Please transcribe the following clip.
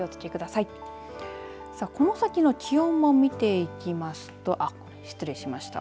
さあ、この先の気温も見ていきますと失礼しました。